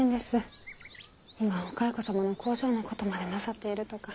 今はお蚕様の工場のことまでなさっているとか。